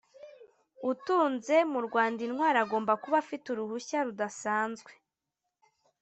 Utunze mu Rwanda intwaro agomba kuba afite uruhushya rudasanzwe